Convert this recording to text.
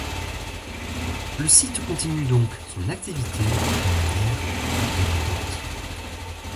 Le site continue donc son activité de manière indépendante.